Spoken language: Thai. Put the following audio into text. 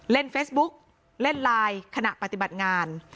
เล่นเฟซบุ๊กเล่นไลน์ขณะปฏิบัติงาน